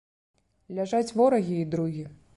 Ляжаць ворагі і другі.